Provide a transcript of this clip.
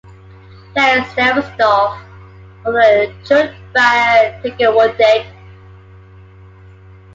Play”” Sterrenstof”” from the Jeugd van Tegenwoordig.